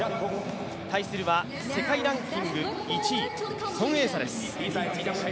対するは世界ランキング１位、孫エイ莎です。